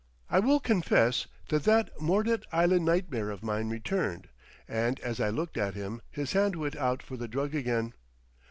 I will confess that that Mordet Island nightmare of mine returned, and as I looked at him his hand went out for the drug again.